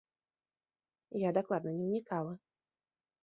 Я дакладна не ўнікала.